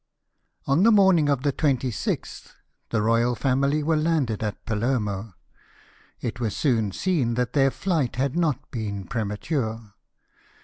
On the mornmg of the 26 th the royal family were landed at Palermo. It was soon seen that their flight had not been premature.